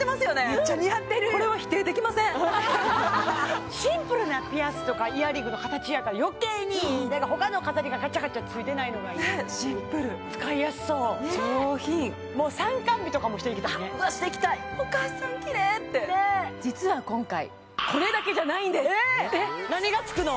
これは否定できませんシンプルなピアスとかイヤリングの形やから余計に他の飾りががちゃがちゃついてないのがいいシンプル使いやすそう上品参観日とかもしていきたいねうわっしていきたい「お母さんキレイ」って実は今回何がつくの？